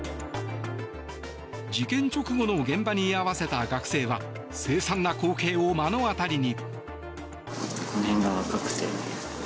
事件直後の現場に居合わせた学生は凄惨な光景を目の当たりに。